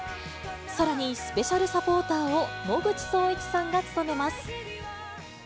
さらにスペシャルサポーターを野口聡一さんが務めます。